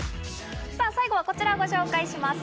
最後はこちらをご紹介します。